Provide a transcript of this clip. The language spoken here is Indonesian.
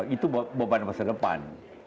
itu beban masa depan